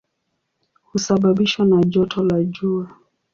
Husababishwa na joto la jua.